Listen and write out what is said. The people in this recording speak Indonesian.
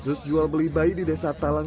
kasus jual beli bayi di desa talang